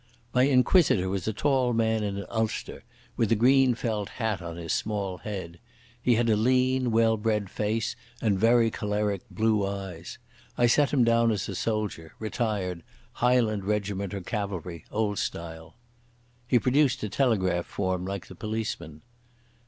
My inquisitor was a tall man in an ulster, with a green felt hat on his small head. He had a lean, well bred face, and very choleric blue eyes. I set him down as a soldier, retired, Highland regiment or cavalry, old style. He produced a telegraph form, like the policeman.